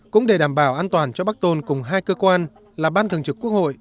cũng để đảm bảo an toàn cho bác tôn cùng hai cơ quan là ban thường trực quốc hội